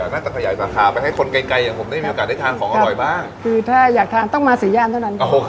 นักขยายสาขาไปให้คนไก่